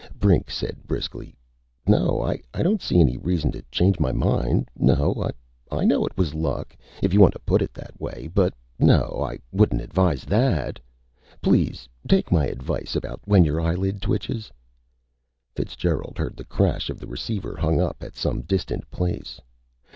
Brink said briskly: "No, I don't see any reason to change my mind.... No.... I know it was luck, if you want to put it that way, but.... No. I wouldn't advise that! Please take my advice about when your eyelid twitches " Fitzgerald heard the crash of the receiver hung up at some distant place.